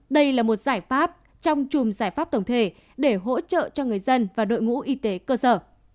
đây là một giải pháp trong chùm giải pháp tổng thể để hỗ trợ cho người dân và đội ngũ y tế cơ sở